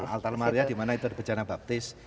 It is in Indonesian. altar maria dimana itu ada bencana baptis